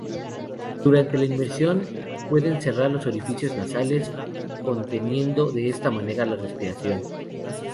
Durante la inmersión pueden cerrar los orificios nasales, conteniendo, de esta manera, la respiración.